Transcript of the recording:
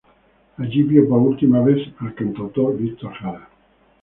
Allí vio por última vez al cantautor Victor Jara.